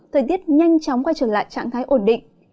thời tiết nhanh chóng quay trở lại trạng thái ổn định